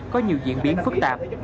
có nhiều diễn biến phức tạp